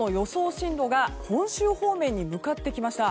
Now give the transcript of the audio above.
進路が本州方面に向かってきました。